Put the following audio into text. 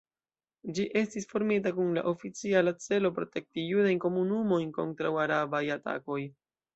Ĝi estis formita kun la oficiala celo protekti judajn komunumojn kontraŭ arabaj atakoj.